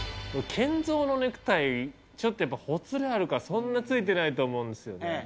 ケンゾーのネクタイ、ちょっとやっぱり、ほつれあるから、そんなについてないと思うんですよね。